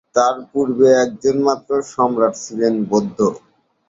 তার পূর্বে একজন মাত্র সম্রাট ছিলেন, বৌদ্ধ।